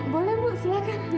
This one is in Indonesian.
boleh bu silahkan